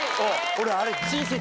俺あれ。